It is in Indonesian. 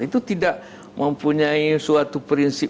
itu tidak mempunyai suatu prinsip